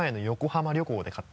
横浜旅行で！？